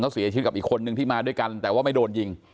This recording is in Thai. เขาเสียชีวิตกับอีกคนนึงที่มาด้วยกันแต่ว่าไม่โดนยิง